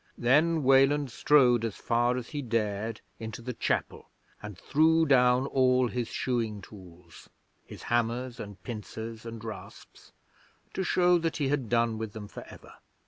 Then Weland strode as far as he dared into the Chapel and threw down all his shoeing tools his hammers and pincers and rasps to show that he had done with them for ever.